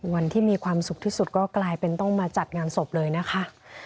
วันที่มีความสุขที่สุดก็กลายเป็นต้องมาจัดงานศพเลยนะคะ